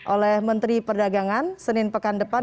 oleh menteri perdagangan senin pekan depan